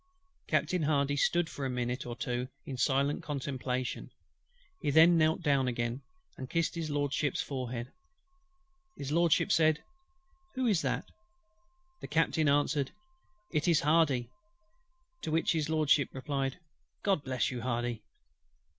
Captain HARDY stood for a minute or two in silent contemplation: he then knelt down again, and kissed HIS LORDSHIP'S forehead. HIS LORDSHIP said: "Who is that?" The Captain answered: "It is HARDY;" to which HIS LORDSHIP replied, "GOD bless you, HARDY!"